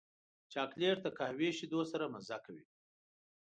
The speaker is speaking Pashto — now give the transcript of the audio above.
چاکلېټ د قهوې شیدو سره مزه کوي.